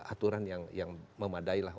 aturan yang memadai lah